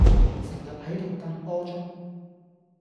成日係度揼波鐘